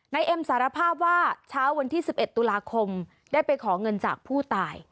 เอ็มสารภาพว่าเช้าวันที่๑๑ตุลาคมได้ไปขอเงินจากผู้ตาย